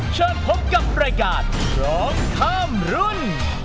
เชิญพบกับรายการร้องข้ามรุ่น